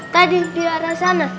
tadi di arah sana